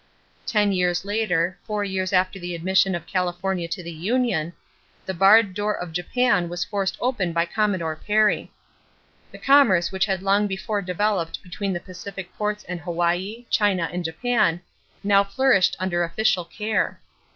Ten years later, four years after the admission of California to the union, the barred door of Japan was forced open by Commodore Perry. The commerce which had long before developed between the Pacific ports and Hawaii, China, and Japan now flourished under official care.